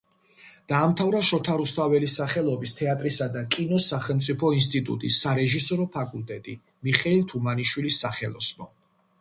დაამთავრა შოთა რუსთაველის სახელობის თეატრისა და კინოს სახელმწიფო ინსტიტუტის სარეჟისორო ფაკულტეტი, მიხეილ თუმანიშვილის სახელოსნო.